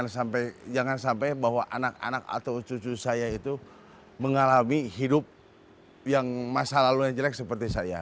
jangan sampai jangan sampai bahwa anak anak atau cucu saya itu mengalami hidup yang masa lalu yang jelek seperti saya